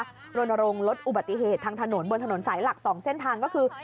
รณรงค์ลดอุบัติเหตุทางถนนบนถนนสายหลัก๒เส้นทางก็คือ